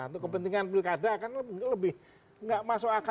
untuk kepentingan pilkada kan lebih gak masuk akal sama sekali kan